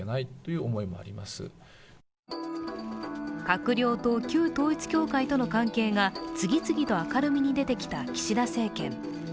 閣僚と旧統一教会との関係が次々と明るみに出てきた岸田政権。